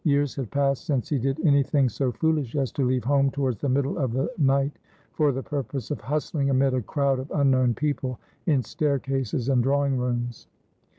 Years had passed since he did anything so foolish as to leave home towards the middle of the night for the purpose of hustling amid a crowd of unknown people in staircases and drawing rooms.